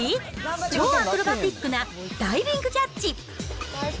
超アクロバティックなダイビングキャッチ。